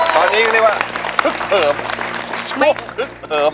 ตอนนี้ก็เรียกว่าฮึกเผิม